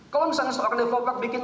kalau misalnya software developer bikin